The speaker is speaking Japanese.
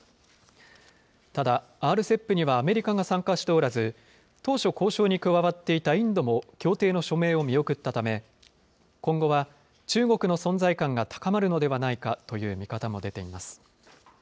ただ、ＲＣＥＰにはアメリカが参加しておらず、当初、交渉に加わっていたインドも協定の署名を見送ったため、今後は中国の存在感が高まるのではないかという見方も出ています。